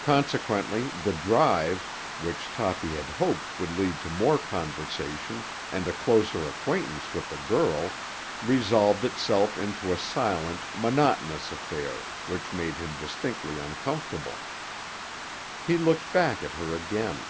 Consequently the drive, which Toppy had hoped would lead to more conversation and a closer acquaintance with the girl, resolved itself into a silent, monotonous affair which made him distinctly uncomfortable. He looked back at her again.